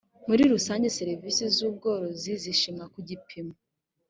muri rusange serivisi z ubworozi zishimwa ku gipimo